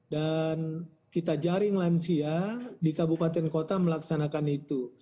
dan kita jaring lansia di kabupaten kota melaksanakan itu